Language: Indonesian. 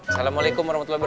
assalamualaikum wr wb